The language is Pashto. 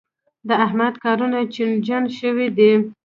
د احمد کارونه چينجن شوي دي.